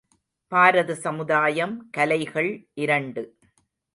பாரத சமுதாயம் கலைகள் இரண்டு.